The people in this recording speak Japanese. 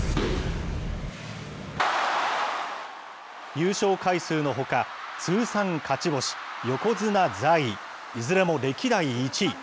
優勝回数のほか、通算勝ち星、横綱在位、いずれも歴代１位。